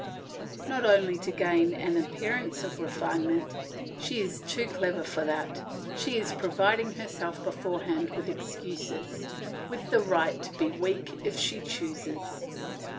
Not only to gain an appearance of refinement; she is too clever for that; she is providing herself beforehand with excuses, with the right to be weak if she chooses.